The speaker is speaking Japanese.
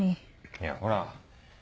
いやほら。